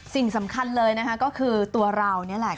สิ่งสำคัญเลยนะคะก็คือตัวเรานี่แหละ